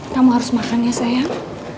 kamu harus makan ya sayang